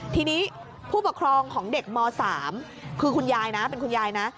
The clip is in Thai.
ทีนี้ผู้ปกครองของเด็กม๓คือคุณยายนะเป็นคุณยายนะ